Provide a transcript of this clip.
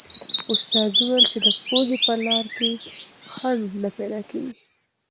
استاد وویل چې د پوهې په لار کې خنډ نه پیدا کېږي.